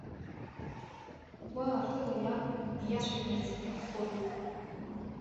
Гәаартыла иаб диацәажәарц иҭаххоит.